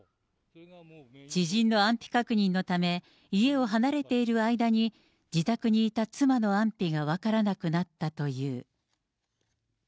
知人の安否確認のため、家を離れている間に自宅にいた妻の安否が分からなくなったという。